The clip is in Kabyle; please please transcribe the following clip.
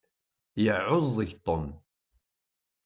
Yeεεuẓẓeg Tom.